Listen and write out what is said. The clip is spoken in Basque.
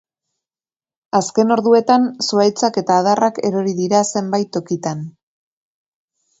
Azken orduetan zuhaitzak eta adarrak erori dira zenbait tokitan.